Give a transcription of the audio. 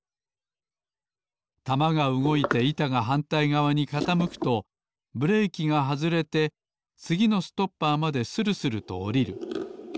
玉がうごいていたがはんたいがわにかたむくとブレーキがはずれてつぎのストッパーまでするするとおりる。